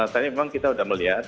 tadi memang kita sudah melihat